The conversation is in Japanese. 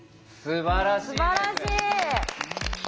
すばらしい！